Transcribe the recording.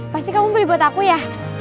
pasti kamu beli buat aku ya